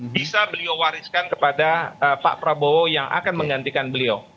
bisa beliau wariskan kepada pak prabowo yang akan menggantikan beliau